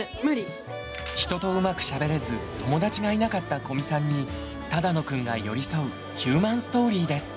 人とうまくしゃべれず友だちがいなかった古見さんに只野くんが寄り添うヒューマンストーリーです。